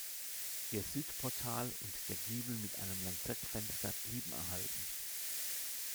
Ihr Südportal und der Giebel mit einem Lanzettfenster blieben erhalten.